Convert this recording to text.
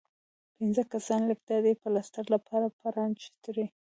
پنځۀ کسان لګيا دي پلستر لپاره پرانچ تړي